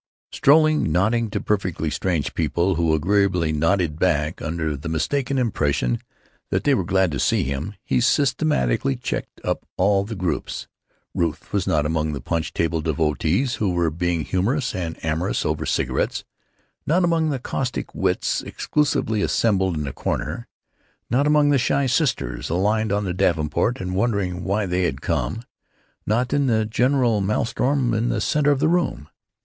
Strolling, nodding to perfectly strange people who agreeably nodded back under the mistaken impression that they were glad to see him, he systematically checked up all the groups. Ruth was not among the punch table devotees, who were being humorous and amorous over cigarettes; not among the Caustic Wits exclusively assembled in a corner; not among the shy sisters aligned on the davenport and wondering why they had come; not in the general maelstrom in the center of the room.